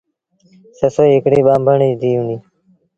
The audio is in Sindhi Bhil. سسئيٚ هڪڙي ٻآنڀڻ ريٚ ڌيٚ هُݩديٚ۔